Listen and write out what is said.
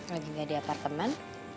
lagi gak di apartemen